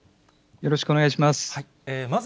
よろしくお願いします。